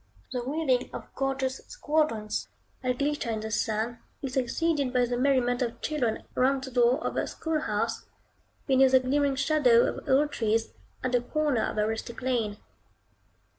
The wheeling of gorgeous squadrons, that glitter in the sun, is succeeded by the merriment of children round the door of a school house, beneath the glimmering shadow of old trees, at the corner of a rustic lane.